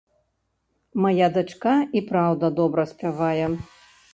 Мая дачка, і праўда, добра спявае.